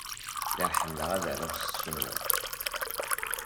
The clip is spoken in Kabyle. Lliɣ ḥemmleɣ ad aruɣ s tcinwat.